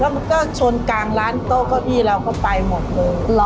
มันก็ชนกลางร้านโต๊ะเก้าอี้เราก็ไปหมดเลย